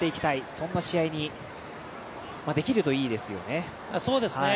そんな試合にできるといいですよね。